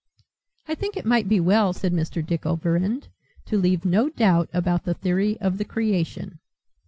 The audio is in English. "I think it might be well," said Mr. Dick Overend, "to leave no doubt about the theory of the creation."